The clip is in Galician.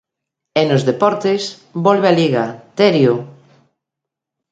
E nos deportes, volve a Liga, Terio.